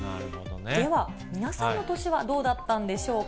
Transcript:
では、皆さんの年はどうだったんでしょうか。